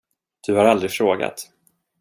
Du har aldrig frågat.